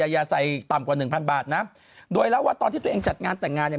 อย่าใส่ต่ำกว่าหนึ่งพันบาทนะโดยเล่าว่าตอนที่ตัวเองจัดงานแต่งงานเนี่ย